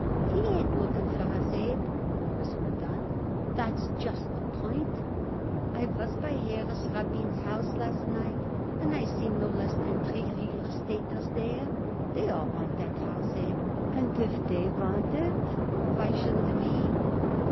"He ain't looking for us, Abe," Morris went on. "That's just the point. I was by Harris Rabin's house last night, and I seen no less than three real estaters there. They all want that house, Abe, and if they want it, why shouldn't we?